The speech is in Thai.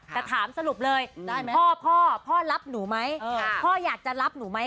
แต่ถามสรุปเลยได้ไหมพ่อพ่อพ่อรับหนูไหมเออพ่ออยากจะรับหนูไหม